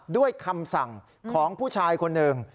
ด้วยคำสั่งของผู้ชายคนหนึ่ง